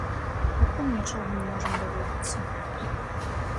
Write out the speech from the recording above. Пакуль нічога не можам даведацца.